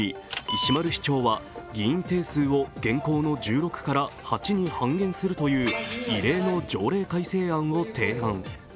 石丸市長は議員定数を現行の１６から８に半減するという異例の条例改正案を提案。